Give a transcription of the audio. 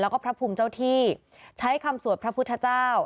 แล้วก็พระภูมิเจ้าที่ใช้คำสวดพระพุทธเจ้า